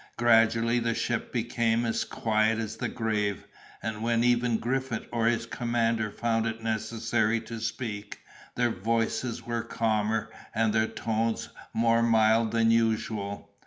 Gradually the ship became as quiet as the grave; and when even Griffith or his commander found it necessary to speak, their voices were calmer, and their tones more mild than usual.